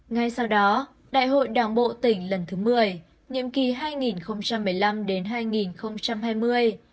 ngay sau đó đại hội đảng bộ tỉnh lần thứ một mươi nhiệm kỳ hai nghìn một mươi năm đến hai nghìn hai mươi